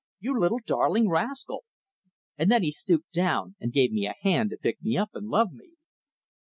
You little, darling rascal!" And then he stooped down and gave me a hand to pick me up and love me.